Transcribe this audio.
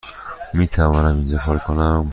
میتوانم اینجا پارک کنم؟